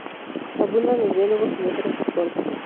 Abundan los diálogos y las frases cortas.